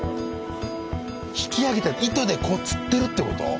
引き上げて糸でこうつってるってこと？